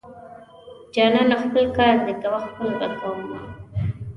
جانانه خپل کار دې کوه خپل به کوومه.